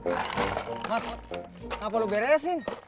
cimot kenapa lo beresin